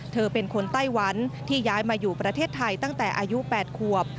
เธอเป็นคนไต้หวันที่ย้ายมาอยู่ประเทศไทยตั้งแต่อายุ๘ขวบ